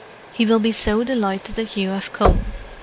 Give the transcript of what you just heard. "He will be so delighted that you have come.